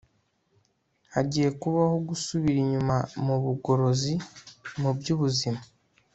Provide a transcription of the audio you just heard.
hagiye habaho ugusubira inyuma mu bugorozi mu by'ubuzima